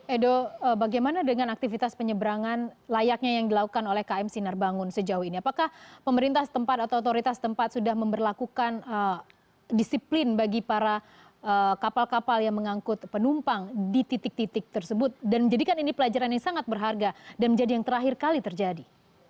edo bagaimana dengan aktivitas penyeberangan layaknya yang dilakukan oleh km sinar bangun sejauh ini apakah pemerintah tempat atau otoritas tempat sudah memperlakukan disiplin bagi para kapal kapal yang mengangkut penumpang di titik titik tersebut dan menjadikan ini pelajaran yang sangat berharga dan menjadi yang terakhir kali terjadi